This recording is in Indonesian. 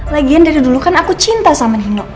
lagian dari dulu kan aku cinta sama hindu